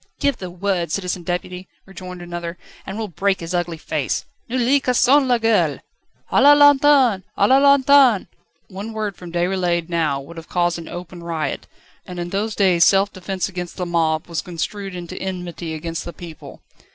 "Give the word, Citizen Deputy," rejoined another, "and we'll break his ugly face. Nous lui casserons la gueule!" "A la lanterne! A la lanterne!" One word from Déroulède now would have caused an open riot, and in those days self defence against the mob was construed into enmity against the people.